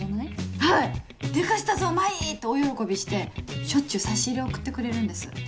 はい「でかしたぞ麻依！」って大喜びしてしょっちゅう差し入れ送ってくれるんです。